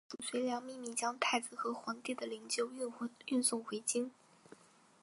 长孙无忌和褚遂良秘密将太子和皇帝的灵柩运送回京。